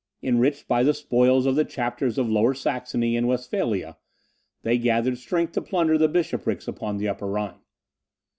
Enriched by the spoils of the chapters of Lower Saxony and Westphalia, they gathered strength to plunder the bishoprics upon the Upper Rhine.